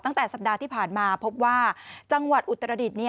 ตั้งแต่สัปดาห์ที่ผ่านมาพบว่าจังหวัดอุตรดิษฐ์